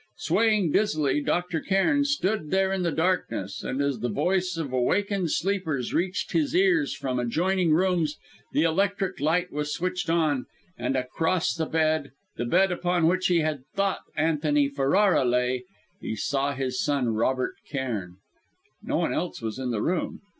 Swaying dizzily, Dr. Cairn stood there in the darkness, and as the voice of awakened sleepers reached his ears from adjoining rooms, the electric light was switched on, and across the bed, the bed upon which he had thought Antony Ferrara lay, he saw his son, Robert Cairn! No one else was in the room.